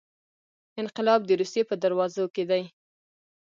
انقلاب د روسیې په دروازو کې دی.